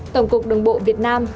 tổng cục đường bộ việt nam